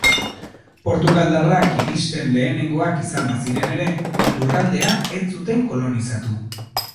Portugaldarrak iristen lehenengoak izan baziren ere, lurraldea ez zuten kolonizatu.